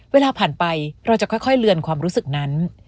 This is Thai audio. เวลาผ่านไปเราจะค่อยเลือนความรู้สึกนั้น